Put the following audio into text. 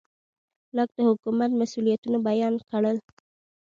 لاک د حکومت مسوولیتونه بیان کړل.